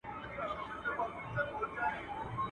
مار هم په دښمن مه وژنه.